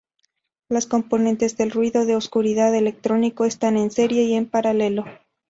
Las componentes del ruido de oscuridad electrónico están en serie y en paralelo.